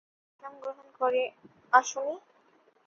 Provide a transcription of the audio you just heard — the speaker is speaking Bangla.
তুমি ইসলাম গ্রহণ করে আসনি।